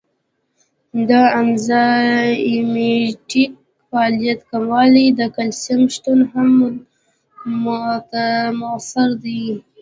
د انزایمټیک فعالیت کموالی او د کلسیم شتون هم مؤثر دی.